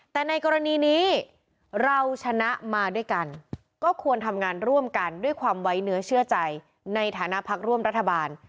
แต่ในกรณีนี้เราชนะมาด้วยกันก็ควรทำงานร่วมกันด้วยความไว้เนื้อเชื่อใจในฐานะพักร่วมรัฐบาล